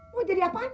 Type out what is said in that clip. mau jadi apaan lu